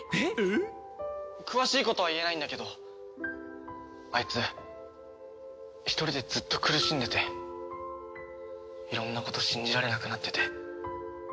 詳しいことは言えないんだけどあいつ一人でずっと苦しんでていろんなこと信じられなくなってて。